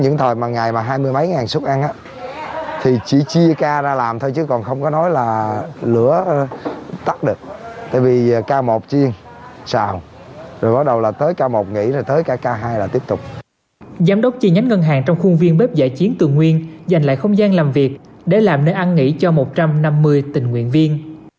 giám đốc chi nhánh ngân hàng trong khuôn viên bếp giải chiến tường nguyên dành lại không gian làm việc để làm nơi ăn nghỉ cho một trăm năm mươi tình nguyện viên